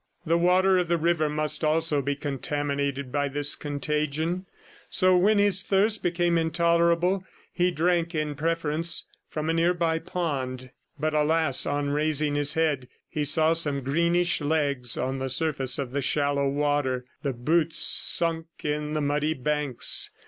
The water of the river must also be contaminated by this contagion; so when his thirst became intolerable he drank, in preference, from a nearby pond. ... But, alas, on raising his head, he saw some greenish legs on the surface of the shallow water, the boots sunk in the muddy banks.